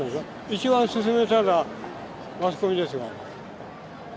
一番進めたのはマスコミですから。